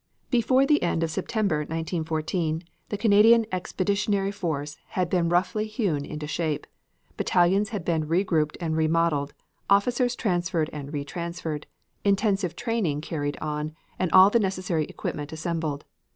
Before the end of September, 1914, the Canadian Expeditionary Force had been roughly hewn into shape, battalions had been regrouped and remodeled, officers transferred and re transferred, intensive training carried on, and all the necessary equipment assembled.